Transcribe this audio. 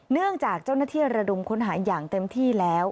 เนื่องจากเจ้าหน้าที่ระดมค้นหาอย่างเต็มที่แล้ว